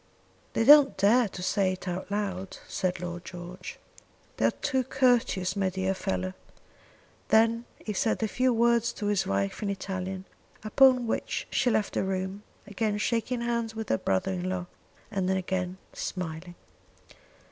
"They don't dare to say it out loud," said Lord George. "They are too courteous, my dear fellow." Then he said a few words to his wife in Italian, upon which she left the room, again shaking hands with her brother in law, and again smiling.